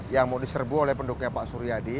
yang mau diserbu oleh pendukungnya pak suryadi